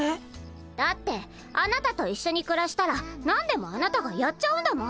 だってあなたと一緒にくらしたら何でもあなたがやっちゃうんだもん。